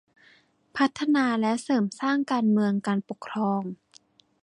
พัฒนาและเสริมสร้างการเมืองการปกครอง